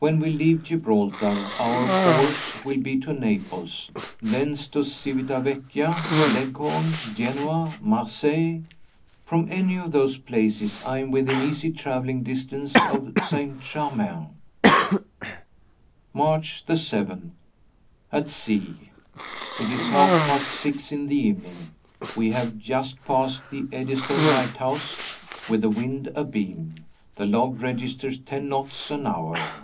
When we leave Gibraltar, our course will be to Naples thence to Civita Vecchia, Leghorn, Genoa, Marseilles. From any of those places, I am within easy traveling distance of St. Germain. March 7. At Sea. It is half past six in the evening. We have just passed the Eddystone Lighthouse, with the wind abeam. The log registers ten knots an hour.